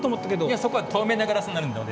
いやそこは透明なガラスになるので。